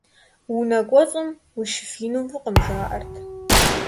Унэ кӀуэцӀым ущыфиину фӀыкъым, жаӀэрт.